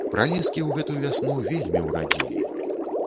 Пралескі ў гэту вясну вельмі ўрадзілі.